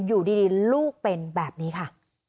อยู่ดีลูกเป็นแบบนี้ค่ะ